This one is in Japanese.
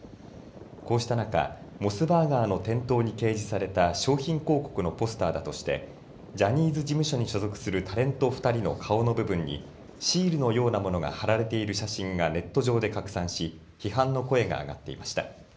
こうした中、モスバーガーの店頭に掲示された商品広告のポスターだとしてジャニーズ事務所に所属するタレント２人の顔の部分にシールのようなものが貼られている写真がネット上で拡散し批判の声が上がっていました。